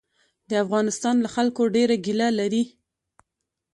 د افغانستان له خلکو ډېره ګیله لري.